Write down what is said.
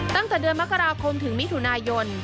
ตั้งแต่เดือนมกราคมถึงมิถุนายน